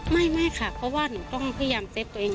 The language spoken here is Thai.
ไม่ค่ะเพราะว่าหนูต้องพยายามเซฟตัวเอง